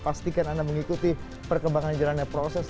pastikan anda mengikuti perkembangan jalannya proses